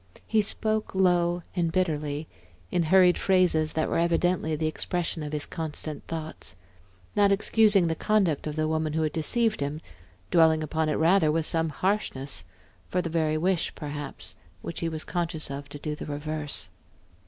He spoke low and bitterly, in hurried phrases that were evidently the expression of his constant thoughts; not excusing the conduct of the woman who had deceived him, dwelling upon it rather with some harshness, for the very wish perhaps which he was conscious of to do the reverse.